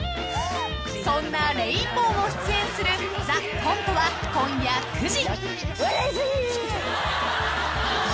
［そんなレインボーも出演する『ＴＨＥＣＯＮＴＥ』は今夜９時］